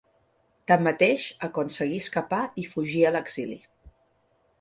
Tanmateix, aconseguí escapar i fugir a l'exili.